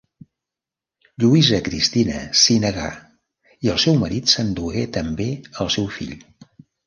Lluïsa Cristina s'hi negà i el seu marit s'endugué també el seu fill.